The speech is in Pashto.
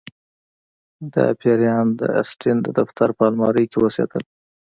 دا پیریان د اسټین د دفتر په المارۍ کې اوسیدل